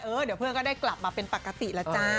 เดี๋ยวเพื่อนก็ได้กลับมาเป็นปกติแล้วจ้า